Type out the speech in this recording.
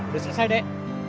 sudah selesai deh